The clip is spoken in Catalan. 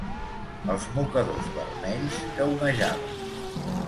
Els mocadors vermells que onejaven